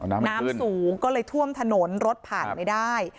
น้ำสูงก็เลยท่วมถนนรถผ่านไม่ได้